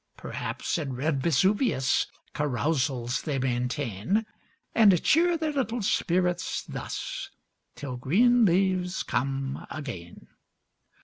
Perhaps, in red Vesuvius Carousals they maintain ; And cheer their little spirits thus, Till green leaves come again.